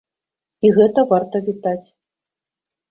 І гэта варта вітаць.